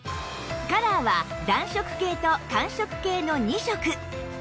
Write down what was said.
カラーは暖色系と寒色系の２色